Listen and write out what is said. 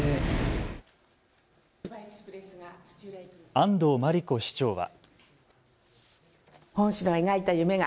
安藤真理子市長は。